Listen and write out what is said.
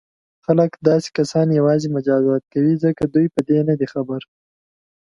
خلک داسې کسان یوازې مجازات کوي ځکه دوی په دې نه دي خبر.